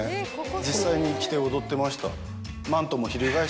実際に着て踊ってました。